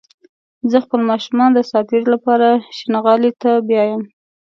زه خپل ماشومان د ساعتيرى لپاره شينغالي ته بيايم